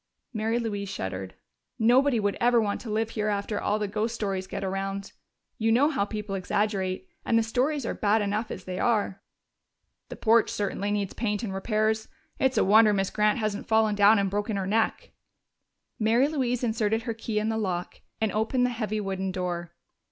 Mary Louise shuddered. "Nobody would ever want to live here after all the ghost stories get around. You know how people exaggerate, and the stories are bad enough as they are." "The porch certainly needs paint and repairs. It's a wonder Miss Grant hasn't fallen down and broken her neck." Mary Louise inserted her key in the lock and opened the heavy wooden door.